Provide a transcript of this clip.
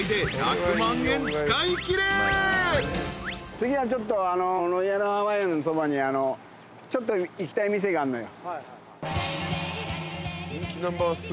次はちょっとロイヤルハワイアンのそばにちょっと行きたい店があるのよ。